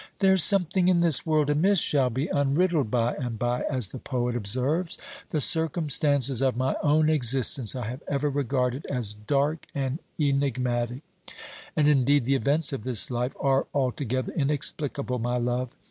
'There's something in this world amiss shall be unriddled by and by,' as the poet observes. The circumstances of my own existence I have ever regarded as dark and enigmatic. And, indeed, the events of this life are altogether inexplicable, my love.